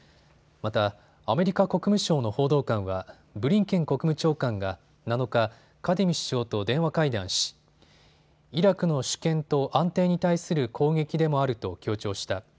またアメリカ国務省の報道官は、ブリンケン国務長官が７日、カディミ首相と電話会談しイラクの主権と安定に対する攻撃でもあると強調した。